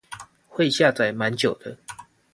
會下載蠻久的